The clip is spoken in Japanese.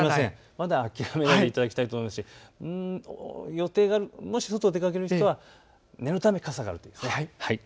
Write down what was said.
まだ諦めないでいただきたいと思いますし、予定、もし外に出かける人は念のため傘があるといいですね。